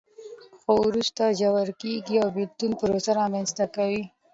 خو وروسته ژور کېږي او بېلتون پروسه رامنځته کوي.